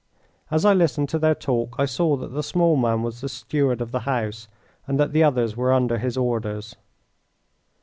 As I listened to their talk I saw that the small man was the steward of the house, and that the others were under his orders.